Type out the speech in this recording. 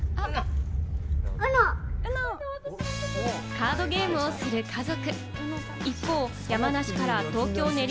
カードゲームをする家族。